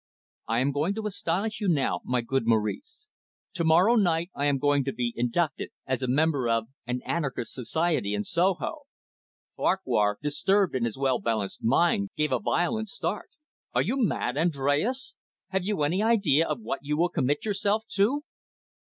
"I am going to astonish you now, my good Maurice. To morrow night I am going to be inducted as a member of an anarchist society in Soho." Farquhar, disturbed in his well balanced mind, gave a violent start. "Are you mad, Andres? Have you any idea of what you will commit yourself to?"